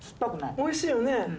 おいしいよね？